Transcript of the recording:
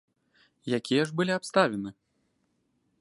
Якія ж былі абставіны?